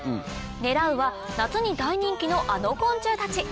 狙うは夏に大人気のあの昆虫たち。